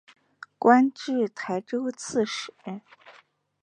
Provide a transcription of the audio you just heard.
官至台州刺史。